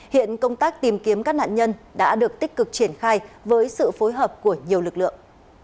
hiện công tác tìm kiếm các nạn nhân đã được tích cực triển khai với sự phối hợp của nhiều lực lượng